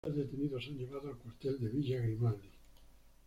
Los tres detenidos son llevados al cuartel de Villa Grimaldi.